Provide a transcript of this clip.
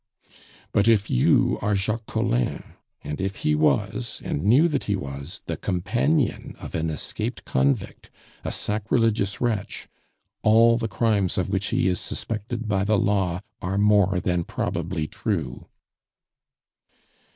"But if you are Jacques Collin, and if he was, and knew that he was, the companion of an escaped convict, a sacrilegious wretch, all the crimes of which he is suspected by the law are more than probably true."